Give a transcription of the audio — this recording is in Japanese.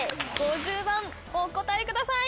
５０番お答えください。